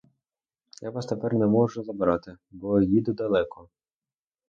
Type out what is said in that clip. Я вас тепер не можу забрати, бо їду далеко.